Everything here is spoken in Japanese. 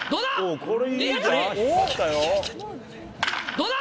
どうだ？